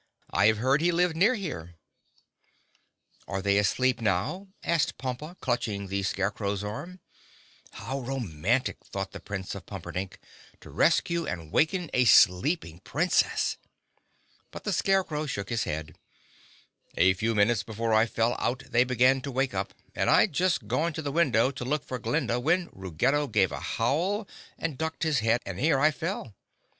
"I have heard he lived near here." "Are they asleep now?" asked Pompa, clutching the Scarecrow's arm. How romantic—thought the Prince of Pumperdink—to rescue and waken a sleeping Princess! But the Scarecrow shook his head. "A few minutes before I fell out they began to wake up and I'd just gone to the window to look for Glinda when Ruggedo gave a howl and ducked his head and here I fell."